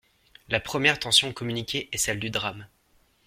La première tension communiquée est celle du drame.